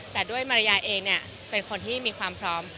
แต่ด้วยมารยาเองเป็นคนที่มีความพร้อม